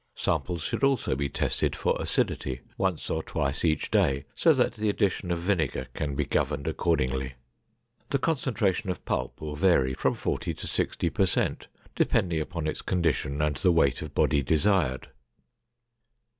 Samples should also be tested for acidity once or twice each day so that the addition of vinegar can be governed accordingly. The concentration of pulp will vary from 40 to 60 per cent depending upon its condition and the weight of body desired.